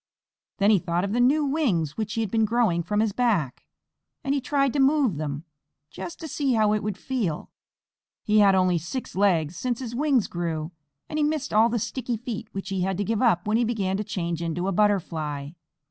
Then he thought of the new wings which had been growing from his back, and he tried to move them, just to see how it would feel. He had only six legs since his wings grew, and he missed all the sticky feet which he had to give up when he began to change into a Butterfly.